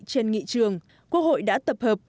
trên nghị trường quốc hội đã tập hợp